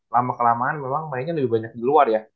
lama kelamaan memang mainnya lebih banyak di luar ya